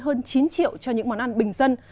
hơn chín triệu cho những món ăn bình dân